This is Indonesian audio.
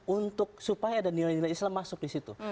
untuk supaya ada nilai nilai islam masuk di situ